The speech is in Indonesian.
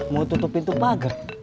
mau tutup pintu pagar